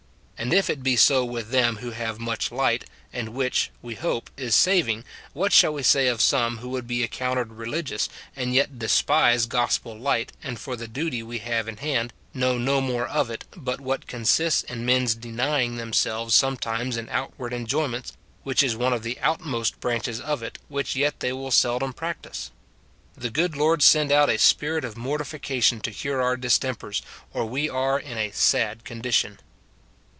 And if it be so with them who have much light, and which, we hope, is saving, what shall we say of some who would be accounted religious and yet despise gospel light, and for the duty we have in hand, know no more of it but what consists in men's denying themselves some times in outward enjoyments, which is one of the outmost branches of it, which yet they will seldom practise ? The good Lord send out a spirit of mortification to cure our distempers, or we are in a sad condition